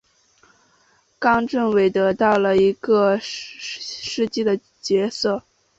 冈政伟得到了一个机师的角色。